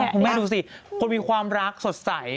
คุณแม่ดูสิคนมีความรักสดใส